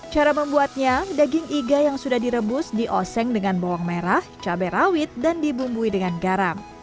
yang daging iga yang sudah direbus di oseng dengan bawang merah cabe rawit dan dibumbui dengan garam